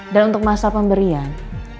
dan untuk masalah pemberian